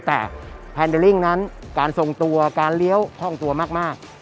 แต่แพนเดลลิ่งนั้นการทรงตัวการเลี้ยวคล่องตัวมาก